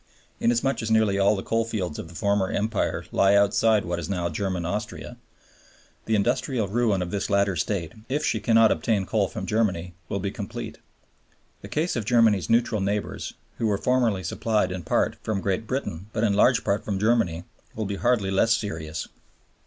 Inasmuch as nearly all the coalfields of the former Empire lie outside what is now German Austria, the industrial ruin of this latter state, if she cannot obtain coal from Germany, will be complete. The case of Germany's neutral neighbors, who were formerly supplied in part from Great Britain but in large part from Germany, will be hardly less serious.